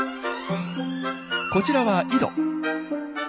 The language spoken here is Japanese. こちらは井戸。